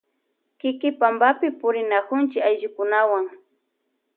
Kiki pampapi purinakunchi ayllukunawan.